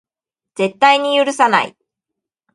絶対に許さない